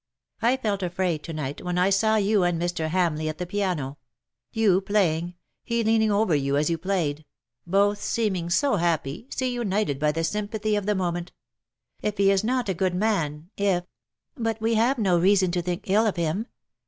I felt afraid to night when I saw you and Mr. Hamleigh at the piano — you playing, he leaning over you as you THE LOVELACE OF HIS DAY. 65 played — both seeming so happy, so united by the sympathy of the moment! If he is not a good m an — if ''" But we have no reason to think ill of him.